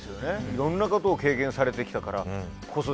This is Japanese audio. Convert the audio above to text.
いろんなことを経験されてきたからこそ。